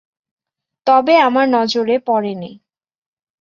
তবে আমার নজরে পরে নি।